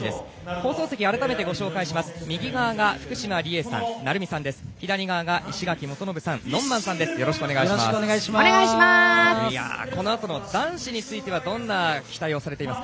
放送席、改めてご紹介します。